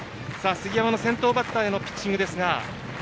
杉山の先頭バッターへのピッチングですが。